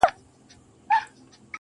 دغه د اور ځنځير ناځوانه ځنځير.